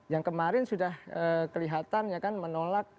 yang kemarin sudah kelihatan ya kan menolak